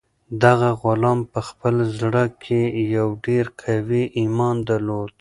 دغه غلام په خپل زړه کې یو ډېر قوي ایمان درلود.